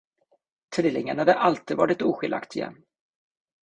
Trillingarna hade alltid varit oskiljaktiga.